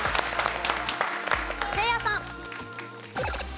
せいやさん。